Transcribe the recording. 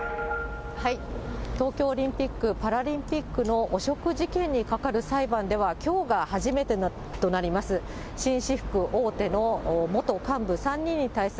東京オリンピック・パラリンピックの汚職事件にかかる裁判ではきょうが初めてとなります。